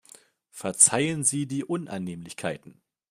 Verzeihen Sie die Unannehmlichkeiten.